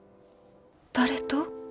誰と？